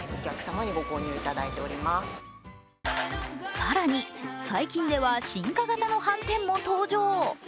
更に、最近では進化型のはんてんも登場。